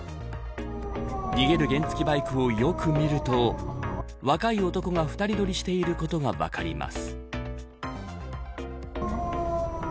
逃げる原付バイクをよく見ると若い男が２人乗りしていることが分かります。